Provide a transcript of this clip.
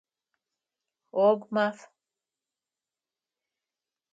Гъогумаф!